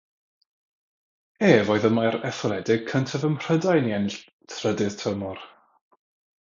Ef oedd y maer etholedig cyntaf ym Mhrydain i ennill trydydd tymor.